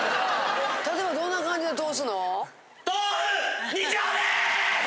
例えばどんな感じで通すの？